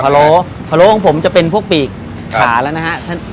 โลพะโล้ของผมจะเป็นพวกปีกขาแล้วนะฮะ